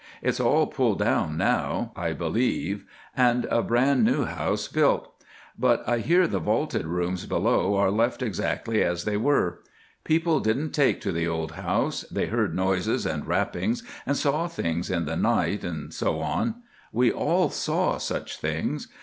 It's all pulled down now, I believe, and a bran new house built; but I hear the vaulted rooms below are left exactly as they were. People didn't take to the old house; they heard noises and rappings, and saw things in the night, and so on. _We all saw things.